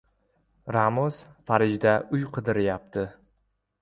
Ramos Parijda uy qidiryapti